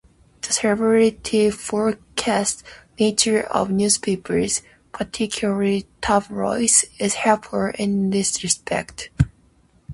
The celebrity-focused nature of newspapers, particularly tabloids, is helpful in this respect.